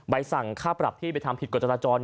สั่งค่าปรับที่ไปทำผิดกฎจราจร